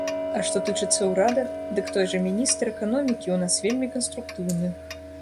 А што тычыцца ўрада, дык той жа міністр эканомікі ў нас вельмі канструктыўны.